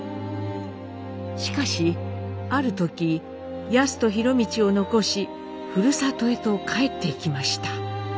しかしある時ヤスと博通を残しふるさとへと帰っていきました。